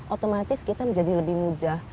otomatis kita menjadi lebih mudah